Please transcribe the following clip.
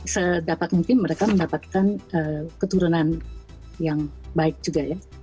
sedapat mungkin mereka mendapatkan keturunan yang baik juga ya